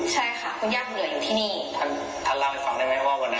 ใช่ค่ะคุณย่าคงเหลืออยู่ที่นี่ท่านท่านเล่าให้ฟังได้ไหมว่าวันนั้น